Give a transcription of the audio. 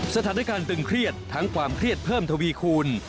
สถานการณ์ตึงเครียดทั้งความเครียดเพิ่มทวีคูณ